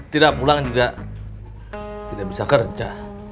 tidak pulang juga tidak bisa kerja